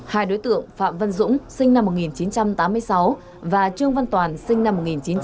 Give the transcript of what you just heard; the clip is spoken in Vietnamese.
hai đối tượng phạm văn dũng sinh năm một nghìn chín trăm tám mươi sáu và trương văn toàn sinh năm một nghìn chín trăm tám mươi